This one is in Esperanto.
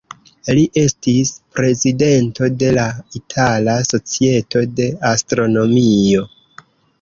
Li estis prezidento de la Itala Societo de Astronomio.